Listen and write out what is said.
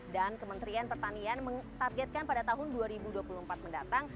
dan kementrian pertanian menargetkan pada tahun dua ribu dua puluh empat mendatang